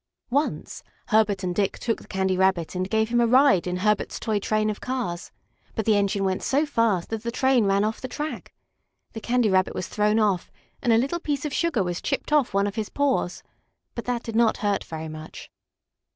Once Herbert and Dick took the Candy Rabbit and gave him a ride in Herbert's toy train of cars. But the engine went so fast that the train ran off the track. The Candy Rabbit was thrown off, and a little piece of sugar was chipped off one of his paws. But that did not hurt very much.